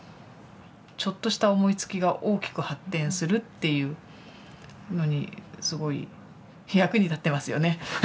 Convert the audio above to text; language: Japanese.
ちょっとした思いつきが大きく発展するっていうのにすごい役に立ってますよね。